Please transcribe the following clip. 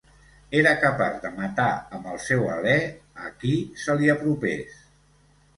Era capaç de matar amb el seu alè a qui se li apropés.